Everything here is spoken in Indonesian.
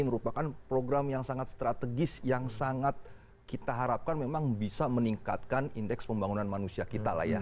merupakan program yang sangat strategis yang sangat kita harapkan memang bisa meningkatkan indeks pembangunan manusia kita lah ya